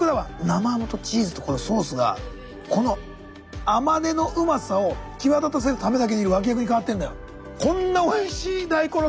生ハムとチーズとこのソースがこの甘根のうまさを際立たせるためだけに脇役に変わってんのよ。